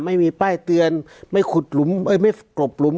ไม่มีป้ายเตือนไม่ขุดหลุมไม่กลบหลุม